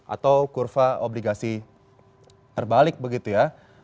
atau kurva obligasi terbalik begitu ya